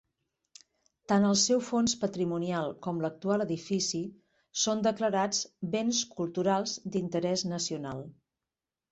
Tant el seu fons patrimonial com l'actual edifici, són declarats béns culturals d'interès nacional.